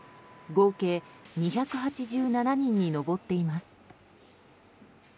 合計２８７人に上っています。